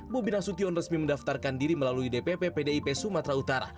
bobi nasution resmi mendaftarkan diri melalui dpp pdip sumatera utara